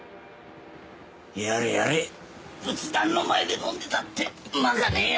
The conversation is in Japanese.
やれやれ仏壇の前で飲んでたってうまかねえや。